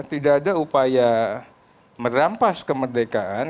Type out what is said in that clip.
tidak ada upaya merampas kemerdekaan